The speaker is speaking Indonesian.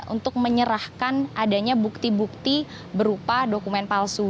untuk menyerahkan adanya bukti bukti berupa dokumen palsu